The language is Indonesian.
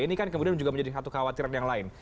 ini kan kemudian juga menjadi satu kekhawatiran yang lain